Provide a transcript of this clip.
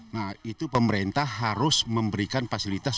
nah itu pemerintah harus memberikan fasilitas